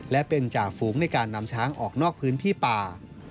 และเป็นจ่าฝูงในการนำช้างออกนอกพื้นที่ป่า